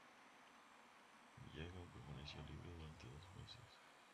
Yagan permaneció libre durante dos meses.